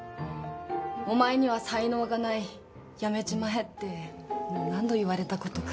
お前には才能がない辞めちまえってもう何度言われたことか。